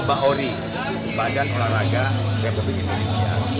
ke bauri badan olahraga republik indonesia